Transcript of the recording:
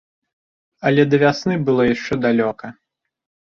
Але да вясны было яшчэ далёка.